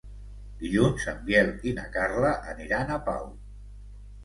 Dilluns en Biel i na Carla aniran a Pau.